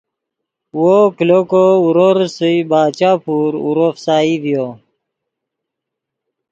وو کلو کو اورو ریسئے باچا پور اورو فسائی ڤیو